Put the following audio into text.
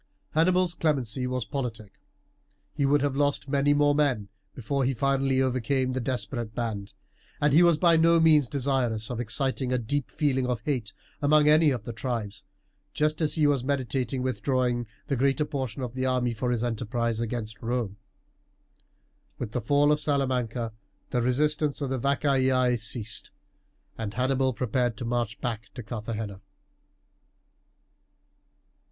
Hannibal's clemency was politic. He would have lost many more men before he finally overcame the desperate band, and he was by no means desirous of exciting a deep feeling of hate among any of the tribes, just as he was meditating withdrawing the greater portion of the army for his enterprise against Rome. With the fall of Salamanca the resistance of the Vacaei ceased, and Hannibal prepared to march back to Carthagena.